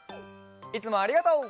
いつもありがとう。